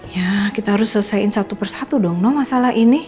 ya kita harus selesaiin satu persatu dong masalah ini